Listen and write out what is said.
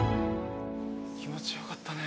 気持ち良かったね。